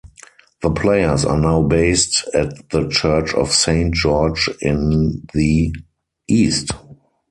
The Players are now based at the church of Saint George in the East.